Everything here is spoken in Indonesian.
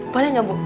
boleh gak bu